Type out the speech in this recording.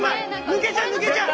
抜けちゃう抜けちゃう！